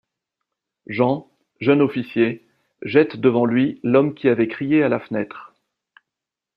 Jean, jeune officier, jette devant lui l’homme qui avait crié à la fenêtre.